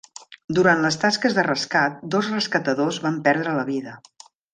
Durant les tasques de rescat, dos rescatadors van perdre la vida.